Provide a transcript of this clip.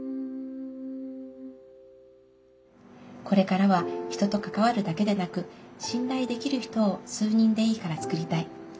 「これからは『人と関わる』だけでなく『信頼できる人』を数人でいいからつくりたい。